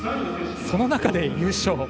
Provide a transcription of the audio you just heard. その中で優勝